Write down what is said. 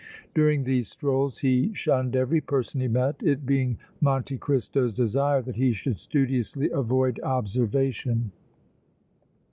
During these strolls he shunned every person he met, it being Monte Cristo's desire that he should studiously avoid observation.